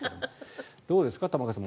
どうですか、玉川さん